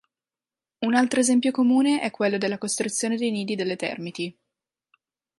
Un altro esempio comune è quello della costruzione dei nidi delle termiti.